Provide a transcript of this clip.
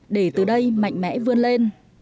để từ đây mạnh mẽ vươn lên